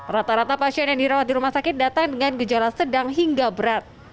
rata rata pasien yang dirawat di rumah sakit datang dengan gejala sedang hingga berat